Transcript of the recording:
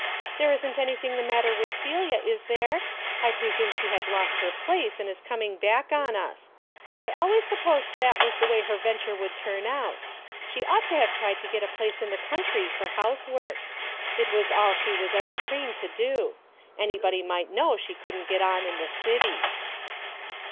" There isn't anything the matter with Celia, is there ? I presume she has lost her place and is coming back on us. I always supposed that was the way her venture would turn out. She ought to have tried to get a place in the country for housework. It was all she was ever trained to do. Anybody might know she couldn't get on in the city."